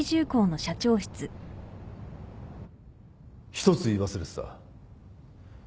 一つ言い忘れてた